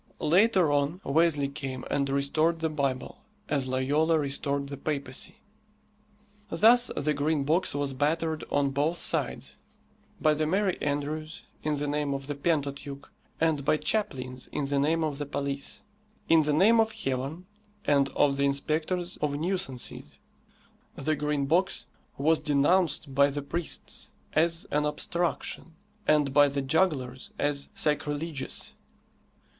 Later on Wesley came and restored the Bible, as Loyola restored the papacy. Thus the Green Box was battered on both sides; by the merry andrews, in the name of the Pentateuch, and by chaplains in the name of the police. In the name of Heaven and of the inspectors of nuisances. The Green Box was denounced by the priests as an obstruction, and by the jugglers as sacrilegious.